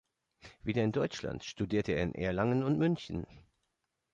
Wieder in Deutschland studierte er in Erlangen und München.